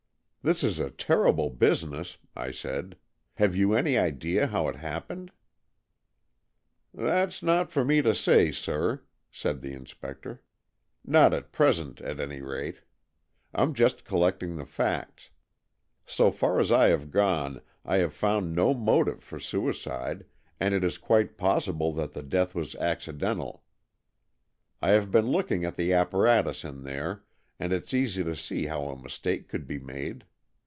" This is a terrible business," I said. " Have you any idea how it happened?" AN EXCHANGE OF SOULS 97 " That's not for me to say, sir," said the inspector. " Not at present, at any rate. Tm just collecting the facts. So far as I have gone, I have found no motive for suicide, and it is quite possible that the death was accidental. I have been looking at the apparatus in there, and it's easy to see how a mistake could be made.